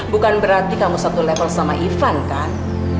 bukan berarti kamu satu level sama ivan kan